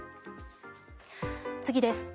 次です。